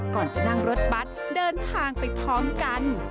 ก่อนจะนั่งรถบัตรเดินทางไปพร้อมกัน